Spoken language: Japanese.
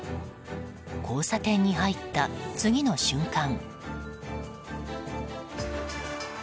交差点に入った次の瞬間。